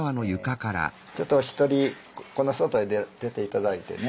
ちょっとお一人この外へ出て頂いてね